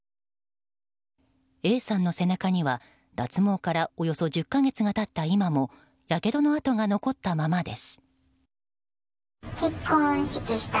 Ａさんの背中には、脱毛からおよそ１０か月が経った今もやけどの痕が残ったままです。